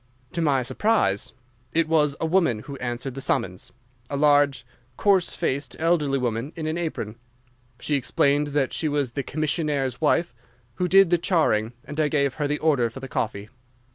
"To my surprise, it was a woman who answered the summons, a large, coarse faced, elderly woman, in an apron. She explained that she was the commissionnaire's wife, who did the charing, and I gave her the order for the coffee.